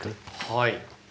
はい。